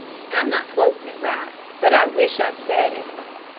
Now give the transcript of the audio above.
I'm not quoting it right, but I wish I'd said it.